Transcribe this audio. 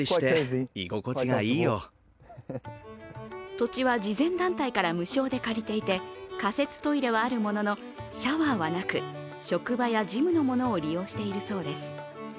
土地は慈善団体から無償で借りていて、仮設トイレはあるもののシャワーはなく職場やジムのものを利用しているそうです。